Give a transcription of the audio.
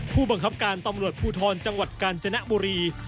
ผู้บังคับการตำรวจภูทรจังหวัดกาญจนบุรี